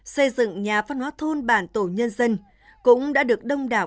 xây dựng nhà văn hóa thôn bản tổ nhân dân cũng đã được đông đảo